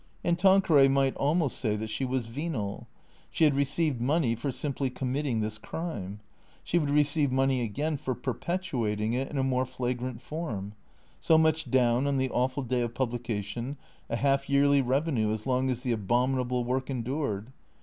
And Tanqueray might almost say that she was venal. She had received money for simply committing this crime. She would receive money again for perpetuating it in a more flagrant form. So much down on the awful day of publication; a half yearly revenue as long as the abominable work endured.